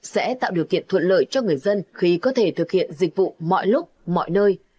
sẽ tạo điều kiện thuận lợi cho người dân khi có thể thực hiện dịch vụ mọi lúc mọi nơi